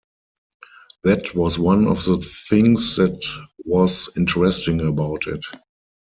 That was one of the things that was interesting about it.